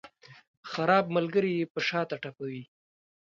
خراب ملګري یې په شاته ټپوي.